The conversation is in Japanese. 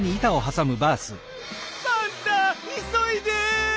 パンタいそいで！